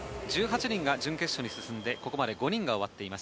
１８人が準決勝に進んで、ここまで５人が終わっています。